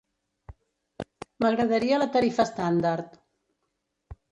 M'agradaria la tarifa estàndard.